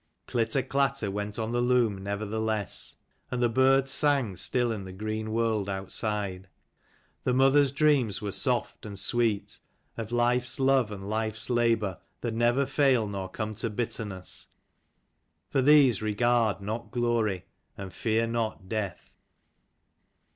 Glitter clatter went on the loom nevertheless : and the birds sang still in the green world outside. The mother's dreams were soft and sweet, of life's love, and life's labour, that never fail nor come to bitterness ; for these regard not glory, and fear not death.